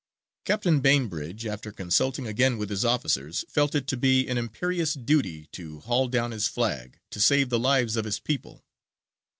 Captain Bainbridge, after consulting again with his officers, felt it to be an imperious duty to haul down his flag, to save the lives of his people.